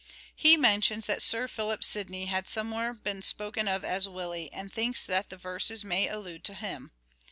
He mentions that Sir Philip Sidney had somewhere been spoken of as " Willie " and thinks that the verses may allude to him.